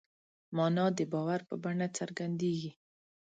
مانا د باور په بڼه څرګندېږي.